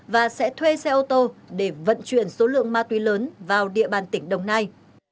và sẽ thuê xe ô tô để vận chuyển số lượng ma túy lớn vào địa bàn tỉnh đồng nai